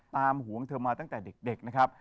ห่วงเธอมาตั้งแต่เด็กนะครับ